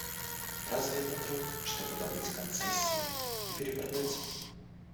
Разве это труд, чтобы добыть концессию и перепродать?